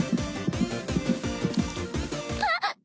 あっ。